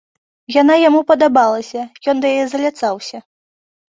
Яна яму падабалася, ён да яе заляцаўся.